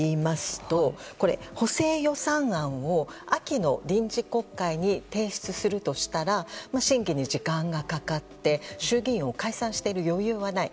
補正予算案を秋の臨時国会に提出するとしたら審議に時間がかかって衆議院を解散している余裕はない。